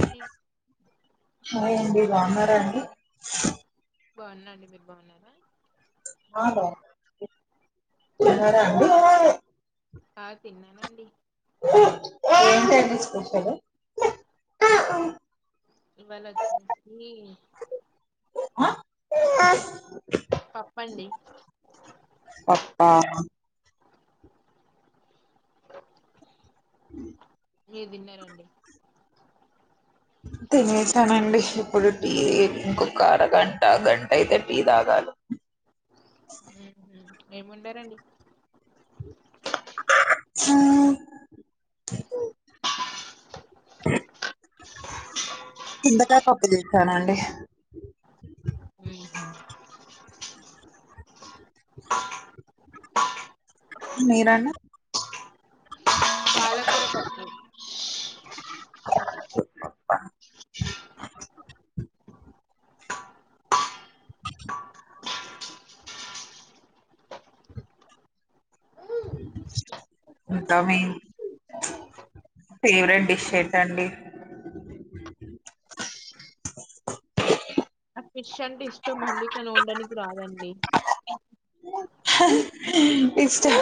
అండి హలోండి బాగురాన్నారాండి అ [inaudible] బాగున్నా అండి మీరు బాగున్నారా అ బా ఆ తిన్నానండి స్పషాల ఇవాళ వచ్చేసి ఆ పప్పండి పప్పా ఉ ఏ విన్నండి తినసానండి ఇప్పుడు టీ ఇంకొక అరగంట గంట అయితే టీ తాగాలి అ [inaudible] ఏముండారంండి చింతకా కొప్ప చేసనా అండి అహ మీరానా బాలకుర పబ్ [inaudible] ఇకా మీ ఫేవరెట్ డిష్ ఏటండి ఆ ఫిష్ అంటే ఇష్టం అండి కానీ ఉండడానికి రాదండి ఇస్ం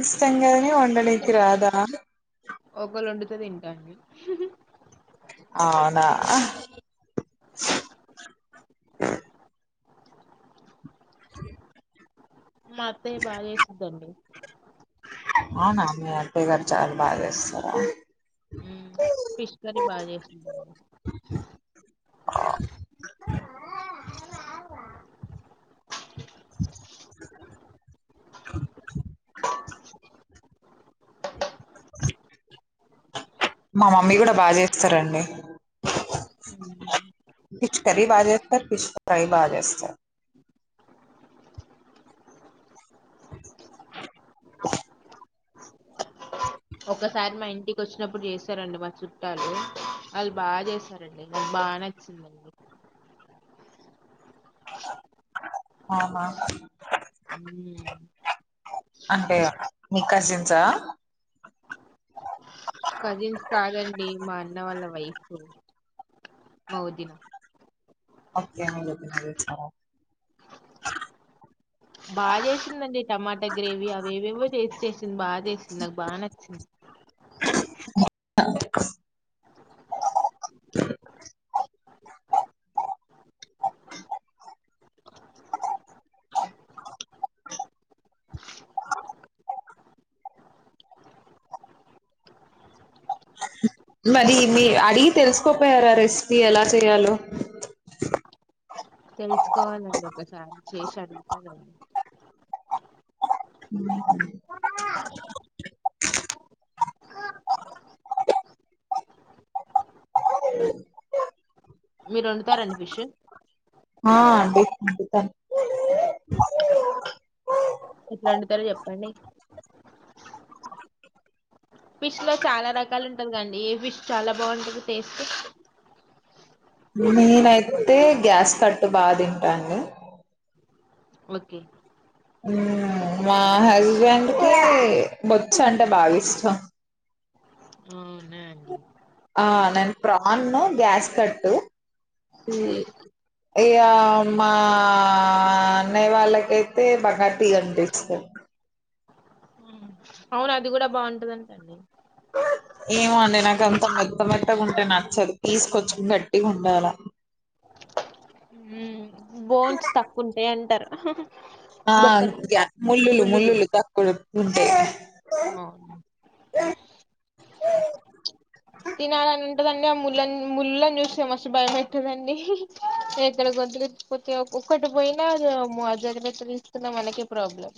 ఇష్టంగానే ఉండడానికి రాదా ఒకళుండితే తింటాం అవునా [inaudible] మత్తే బాగా వేసద్దండి అనా మీఅత్తయ్య గారు చాల బజస్తస్తార మ్మ్. ఫిష్ కర్రీ బాగా చేస్తుంటడి [inaudible] [inaudible] మా మమ్మీ కూడా బాగా చేస్తారంండి మ్మ్. ఫిష్ కర్రీ బాగా చేస్తారు ఫిష్ ఫ్రై బాగా చేస్తారు ఒకసారి మా ఇంటికి వచ్చినప్పుడు చేసారండి మా చుట్టాలు వాళ్ళు బాగా చేస్తారండి నాకు బాగా నచ్చిందండి అనా అంటే మీ కసిన్సా కజిన్స్ కాదండి మా అన్న వాళ్ళ వైఫ్ మా వదిన అక అ జతి మీ చ [inaudible] బాగా చేసిందండి టమాటా గ్రేవీ అవేవేవో చేస్ చేసింది బాగా సింది నాకు బాగా నచ్చింది [inaudible] [inaudible] మరి మీ అడిగి తెలుసుకోపోయారా రెసిపీ ఎలా చెయాలో తెలుసుకోవాలండి ఒకసారి చేశడుగుతాను మీరు వండుతారండి ఫిష్ ఆ అండి వండుతాను ఎట్లొండుతారో చెప్పండి ఫిష్ లో చాలా రకాలు ఉంటది కండి ఏ ఫిష్ చాలా బాగుంటది టేస్ట్ నేనయితే గ్యాస్ కట్టు బాగా తింటాను ఓకే మా హస్బెండ్కిి బొచ్చ అంటే బాగిష్టం అవున్నా అండి ఆ నేను ప్రాన్ను గ్యాస్ కట్టు ఇ మా అన్న వాళ్ళకైతే బకా టీ అనిపిస్తారు అవును అది కూడా బాగుంటందంటండి ఏమోండి నాక అంత మెత్త మత్తగా ఉంటే నచ్చదు తీసుకంచెం గట్టిగా ఉండాల బోన్స్ తక్కువుంటే అంటారు. అహ్ ఆ ముళ్ళులు ముల్లులు ముళ్లుులు తక్కువ ఎక్కువ ఉంటాయి. తినాలనుంటదండీ అ ముళ్ళును ముల్లులను జూస్తే మస్తు భయమైతదండి ఎక్కడ గొంతులో ఒక్కటి పోయిన మనకే ప్రాబ్లం.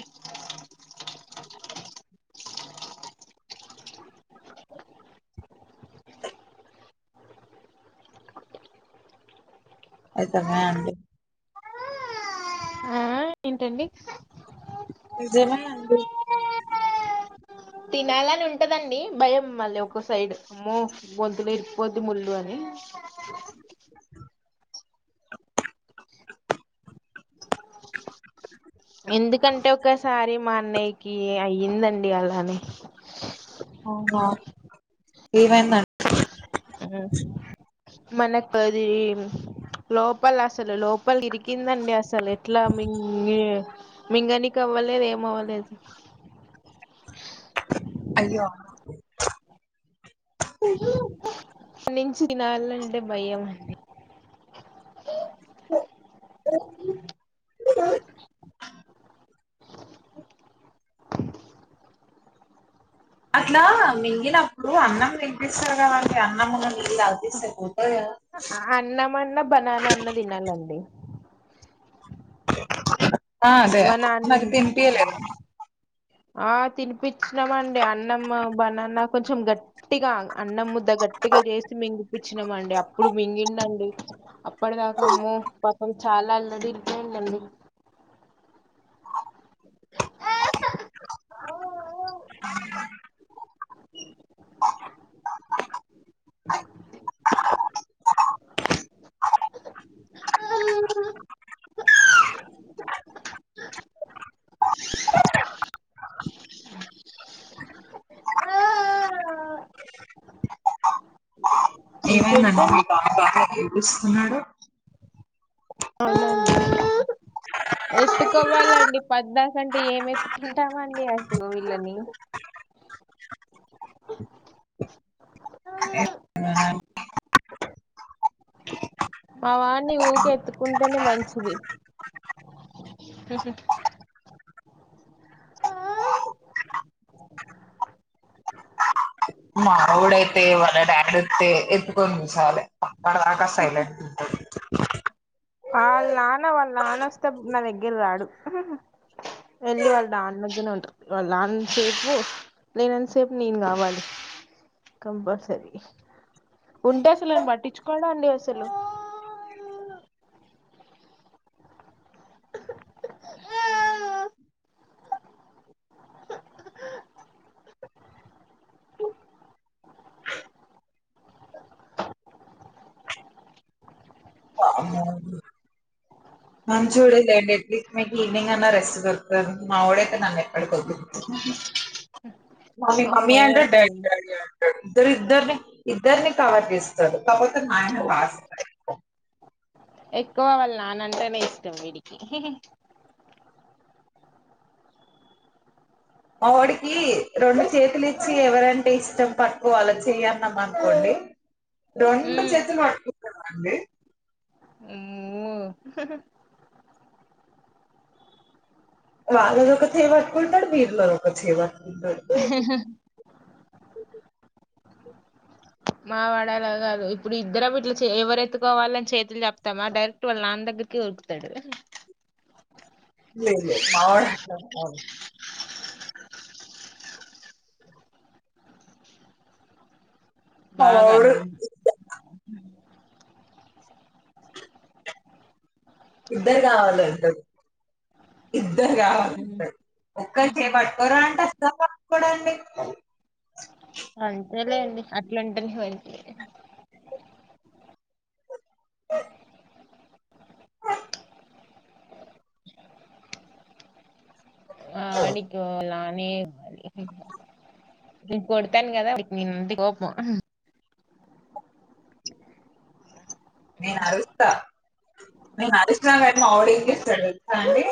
అయితన్నాయండి ఇంకేంటండి. నిజమేనండి. తినాలని ఉంటదండి భయం మళ్ళీ ఒక్కో సైడు అమ్మో గొంతులో ఇరికిపోద్ది ముళ్ళు అని. [inaudible] ఎందుకంటే ఒకసారి మా అన్నయ్యకి అయ్యిందండి అలానే. ఏమైందంట. మనకది లోపల అసలు లోపలికి దిగి. తిందండి అస్సలు ఇట్ల మింగి. మింగనికి అవ్వలేదు ఏమి అవలేదు. అయ్యా. ఉయ్ నించి తినాలంటే భయం అట్లా మింగినప్పుడు అన్నం తినిపిస్తారు కదండి అన్నంముద్దలు. అన్నం అన్న బనానా అన్న తినల్లండి. [unintelligible] ఆ స మన అన్ నాకి తిన్పియలేదు. ఆ తినిపిచ్చు ఇష్టం అండి అన్నము బనాన కొంచెం గట్టిగా అన్నం ముద్ద గట్టిగా చేసి మింగి పిచ్చినామండి అప్పుడు మింగిండు అండి ఇప్పుటిదాకా అమ్మో బా అది చాలా అల్లడిపోయిందండి ఆహ్ ఆహ్ ఆ ఆ [inaudible] [inaudible] ఇంకేంటండి ఏమైందండీ ఇస్తున్నాడు అవునండి ఎత్తుకోవాలండి పోద్దాక అంటే ఏం ఎత్తుకుంటామండి అసలు వీళ్ళని మా వాడిని ఊకే ఎత్తుకుంటేనే మంచిది మా ఆవిడ అయితే వాళ్ళ డాడీ వస్తే ఎత్తుకొని కుసోవాలే అప్పటిదాకా సైలెంట్ అండి [inaudible] వాళ్ళ నాన్న వాళ్ళ నాన్న వస్తే నా దగ్గర రాడు, వెళ్ళి వాళ్ళ నాన్న దగ్గరే ఉంటారు, వాళ్ళ లేనంత సేపు నేను ఎంతసేపు నేను కావాలి, కంపల్సరీ ఉంటే అసలు నన్ను పట్టించుకోడండి అస్సలు మంచిచోడేలెండి అట్లీస్ట్ మీకు ఈవినింగ్ అన్నా రెస్ట్ దొతుంది మా ఓడైయితే నన్ను ఎక్కడికి వద్దు మమ్మీ మమ్మీ అంటాడు అమ్మో డాడీ డాడీ ఎ అంటాడు ఇద్దరు ఇద్దరిని ఇద్దరిని కలపిస్తాడు కాపోతే నాయన ఫస్ట్ ఎక్కువ వాళ్ళు నాన్నంటేనే ఇష్టం వీడికి మావాడికి రెండు చేతులు ఇచ్చి ఎవరంటే ఇష్టం పట్టుకో అలా చెయ్యన్నాం అనుకోండి రెండు చేతులు పట్టుకుంటండి మ్మ్ వాళ్ళలో ఒక చేయి పట్టుకుంటాడు వీళ్ళలో ఒక చేయి పట్టుకుంటాడు [inaudible] మావాడలా కాదు ఇప్పుడు ఇద్దర వీట్లా ఎవరు ఎత్తుకోవాలని చేతులు చెప్తామా డైరెక్ట్ వాళ్ళ నాన్న దగ్గరికే ఉరుకుతాడు లే లే మావాడ్ అవును బాగా మావోడు నన్ ఇద్దర్ కావాలంటడు ద్దరు కావాలంటడు ఒక్కరి చేేయ్యిపట్టుకోరా అంటే [unintelligible] చూడండి అంతేలే అండి అట్లుం [unintelligible] ఆ అడికోవాలా అం మీ ఊహూమ్ నేన్ కొడతాను కదా నేనంటే కోపం నేను అరుస్తా నేను అరుస్తా గాని మా వాడు ఎం చేస్తాడో తెలుసా అండి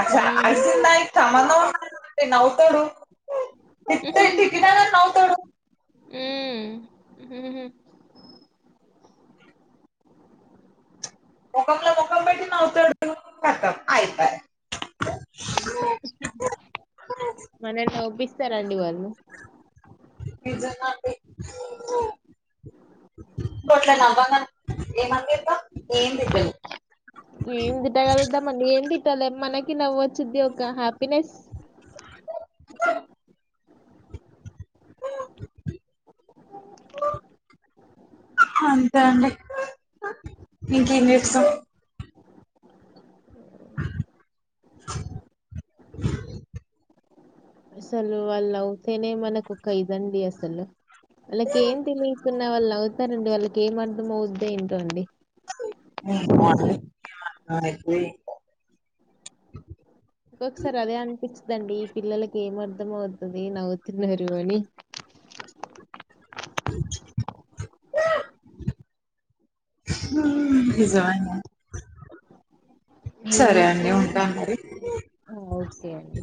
అస్సా అరిసిందానికి సంబధం ఉండదండి నవ్వుతాడు పిచ్చి పిచ్చిదానా నవ్ మోకామ్లో మోకాం పెట్టి నవ్వుతడు కతమ్ అయపాయ్ మనల్ నవ్పిస్ ఇస్తారండి వాళ్ళు [unintelligible] ఏం తిట్టాగలుగుతం మనం ఏమ్ తిట్టాలేం మనకి కి నవ్వొచ్చుద్ది ఒక హ్యాపీనెస్ అంతే అండి ఇంక ఏం చేస్తావ్ కి అసలు వాళ్ళు అవుతేనే మనకు ఒక ఇదండి అసలు వాళ్ళకి ఏం తెలియకున్నా వాళ్ళు నవుతారండి వాళ్ళకి ఏం అర్ధం అవుద్ద ఏంటో అండి వా ఒక్కసారి అదే అనిపించి దండి ఈ పిల్లలకి ఏం అర్థం అవుతుంది నవ్వుతున్నారు అని చు తీజవ [unintelligible] ఏం సరే అండి ఉంటా మరి ఏ అండి